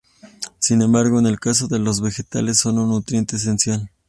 Sin embargo, en el caso de los vegetales, son un nutriente esencial.